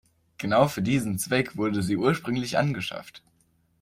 Genau für diesen Zweck wurden sie ursprünglich angeschafft.